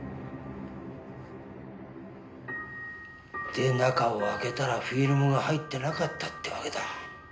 で中を開けたらフィルムが入ってなかったってわけだ。